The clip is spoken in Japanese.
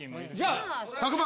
１００万！